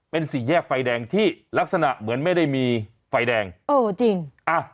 เป็นสี่แยกไฟแดงที่ลักษณะเหมือนไม่ได้มีไฟแดงเออจริงอ่ะ